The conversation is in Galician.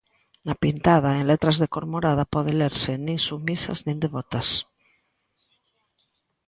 Na pintada, en letras de cor morada, pode lerse: "nin submisas, nin devotas".